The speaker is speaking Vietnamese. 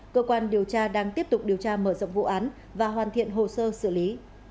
cơ quan điều tra đang tiếp tục điều tra mở rộng vụ án và hoàn thiện hồ sơ xử lý